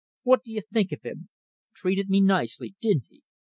What do you think of him? Treated me nicely, didn't he?